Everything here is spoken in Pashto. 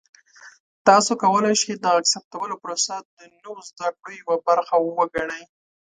تاسو کولی شئ د غږ ثبتولو پروسه د نوو زده کړو یوه برخه وګڼئ.